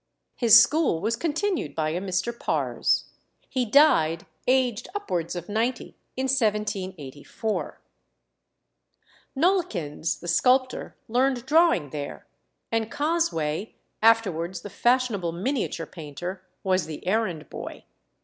His school was continued by a Mr. Pars. He died, aged upwards of ninety, in 1784. Nollekens, the sculptor, learned drawing there, and Cosway, afterwards the fashionable miniature painter, was the errand boy.